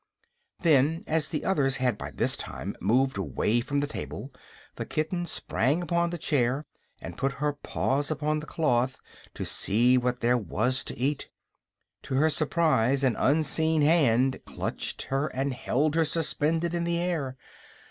Then, as the others had by this time moved away from the table, the kitten sprang upon the chair and put her paws upon the cloth to see what there was to eat. To her surprise an unseen hand clutched her and held her suspended in the air.